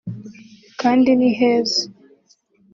kandi ni heza